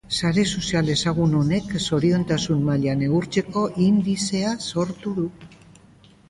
Sare sozial ezagun honek zoriontasun maila neurtzeko indizea sortu du.